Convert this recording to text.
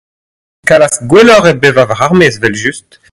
Kalz gwelloc'h eo bevañ war ar maez evel-just.